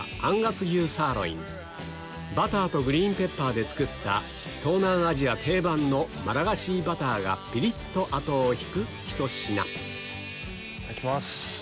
オーダーバターとグリーンペッパーで作った東南アジア定番のマラガシーバターがピリっと後を引くひと品いただきます。